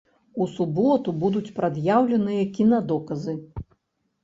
У суботу будуць прад'яўленыя кінадоказы.